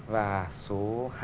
và số hai